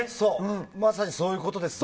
まさにそういうことですよね。